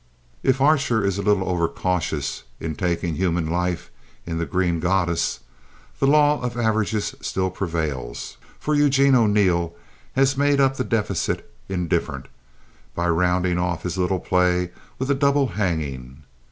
If Archer is a little overcautious in taking human life in The Green Goddess, the law of averages still prevails, for Eugene O'Neill has made up the deficit in Diff'rent by rounding off his little play with a double hanging.